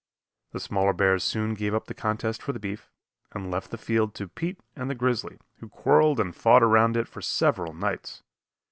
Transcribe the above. The smaller bears soon gave up the contest for the beef and left the field to Pete and the grizzly, who quarreled and fought around it for several nights.